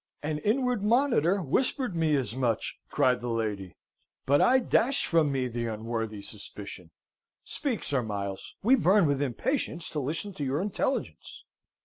"An inward monitor whispered me as much!" cried the lady; "but I dashed from me the unworthy suspicion. Speak, Sir Miles, we burn with impatience to listen to your intelligence."